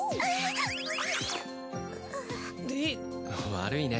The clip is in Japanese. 悪いね。